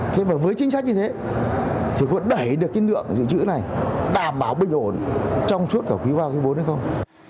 thế mà với chính sách như thế thì cũng đẩy được cái lượng giữ trữ này đảm bảo bình ổn trong suốt cả khí ba khí bốn hay không